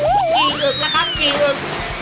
กี่อึกล่ะครับกี่อึก